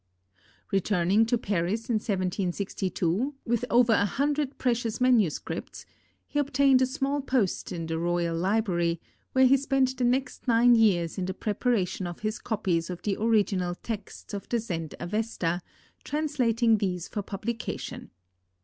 Returning to Paris in 1762, with over a hundred precious manuscripts, he obtained a small post in the royal library, where he spent the next nine years in the preparation of his copies of the original texts of the Zend Avesta, translating these for publication.